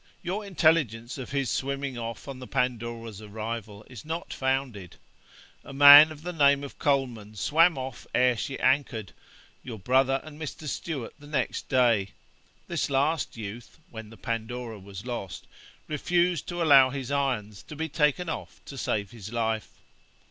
Your intelligence of his swimming off on the Pandoras arrival is not founded; a man of the name of Coleman swam off ere she anchored your brother and Mr. Stewart the next day; this last youth, when the Pandora was lost, refused to allow his irons to be taken off to save his life.